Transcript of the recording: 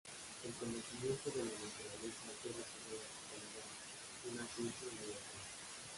El conocimiento de la naturaleza era sobre la totalidad: una ciencia universal.